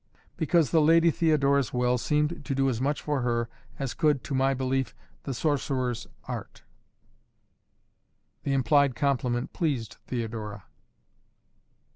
"Because the Lady Theodora's will seemed to do as much for her as could, to my belief, the sorcerer's art!" The implied compliment pleased Theodora.